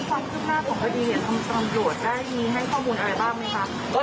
แล้วตอนนี้ความคุกหน้าของคดีเนี่ยตำรวจได้มีให้ข้อมูลอะไรบ้างไหมครับ